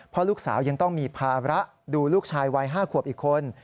เพราะลูกสาวยังต้องมีภาระดูลูกชายวัย๕ขวบอีกคน